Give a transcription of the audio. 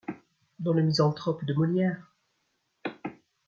dans le Misanthrope de Molière !